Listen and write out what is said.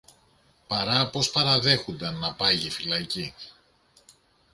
παρά πως παραδέχουνταν να πάγει φυλακή